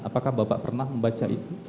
apakah bapak pernah membaca itu